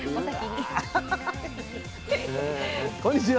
こんにちは。